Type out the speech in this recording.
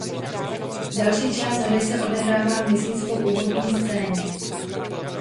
Další část hry se odehrává měsíc po úvodní scéně.